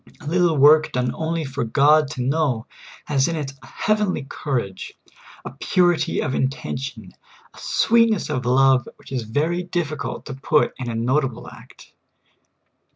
A little w^ork done only for God to know has in it a heavenly courage, a purity of intention, a sweet ness of love, which is very difficult to put in a notable act.